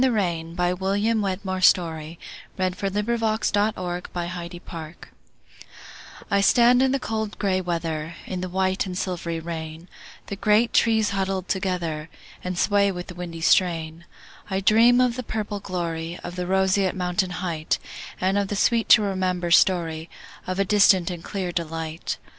1912. William Wetmore Story 1819–1895 William Wetmore Story 123 In the Rain I STAND in the cold gray weather, In the white and silvery rain; The great trees huddle together, And sway with the windy strain.I dream of the purple gloryOf the roseate mountain heightAnd the sweet to remember storyOf a distant and clear delight.